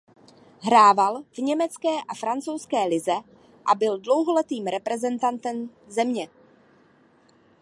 Hrával v německé a francouzské lize a byl dlouholetým reprezentantem země.